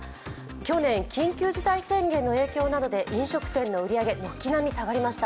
去年、緊急事態宣言の影響などで飲食店の売り上げ、軒並み下がりました。